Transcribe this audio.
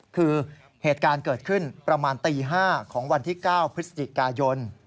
คือเหตุการณ์เกิดขึ้นประมาณตี๕ของวันที่๙พฤศจิกายน